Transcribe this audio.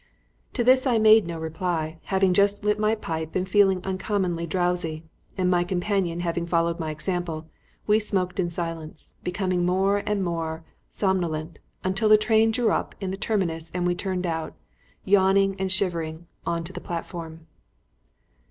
To this I made no reply, having just lit my pipe and feeling uncommonly drowsy; and, my companion having followed my example, we smoked in silence, becoming more and more somnolent, until the train drew up in the terminus and we turned out, yawning and shivering, on to the platform.